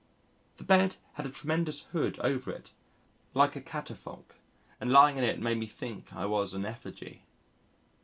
The bed had a tremendous hood over it like a catafalque, and lying in it made me think I was an effigy.